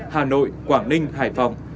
hà nội quảng ninh hải phòng